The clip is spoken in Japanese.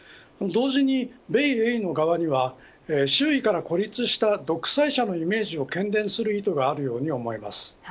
同時に米、英の側には周囲から孤立した独裁者のイメージをけん伝する意図があるように思います。